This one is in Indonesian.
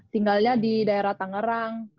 tinggalnya di daerah tangerang